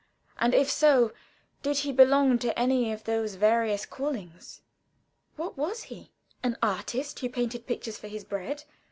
and if so, did he belong to any of those various callings? What was he? An artist who painted pictures for his bread?